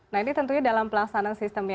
nah ini tentunya dalam pelaksanaan sistem ini ya